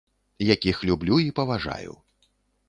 Якіх люблю і паважаю.